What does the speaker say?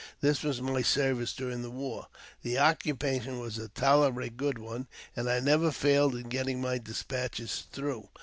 This was my service during the war. The occupation was a tolerably good one, and I never failed in getting my despatches through.